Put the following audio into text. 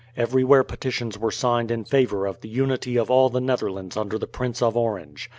Everywhere petitions were signed in favour of the unity of all the Netherlands under the Prince of Orange.